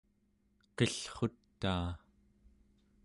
qillrutaa